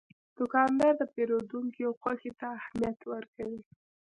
دوکاندار د پیرودونکي خوښي ته اهمیت ورکوي.